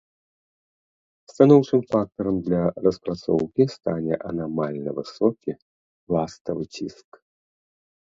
Станоўчым фактарам для распрацоўкі стане анамальна высокі пластавы ціск.